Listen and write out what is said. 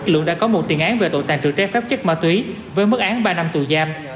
lượng đã có một tiền án về tội tàn trự trái phép chất ma túy với mức án ba năm tù giam